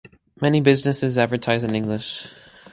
Many businesses advertise in English.